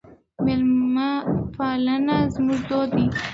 میلمه پالنه زموږ دود دی.